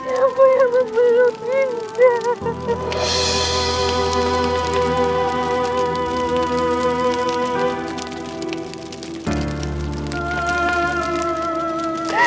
siapa yang memeluk dinda